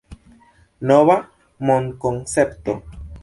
Nova mondkoncepto.